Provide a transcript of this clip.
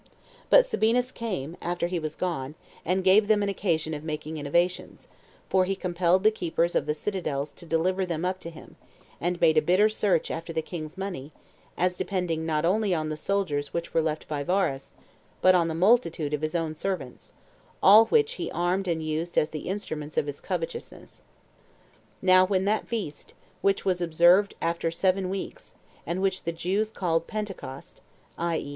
But Sabinus came, after he was gone, and gave them an occasion of making innovations; for he compelled the keepers of the citadels to deliver them up to him, and made a bitter search after the king's money, as depending not only on the soldiers which were left by Varus, but on the multitude of his own servants, all which he armed and used as the instruments of his covetousness. Now when that feast, which was observed after seven weeks, and which the Jews called Pentecost, [i. e.